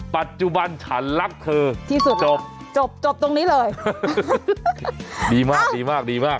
ปัจจุบันฉันรักเธอที่สุดจบจบจบตรงนี้เลยดีมากดีมากดีมาก